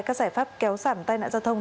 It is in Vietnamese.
các giải pháp kéo giảm tài nạn giao thông